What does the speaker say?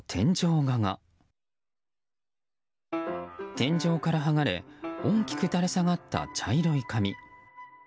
天井から剥がれ大きく垂れ下がった茶色い紙。